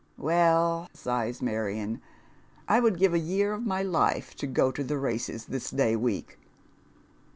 " Well," si.o lis Marion, " I would give a year of my life to go to the races this day week."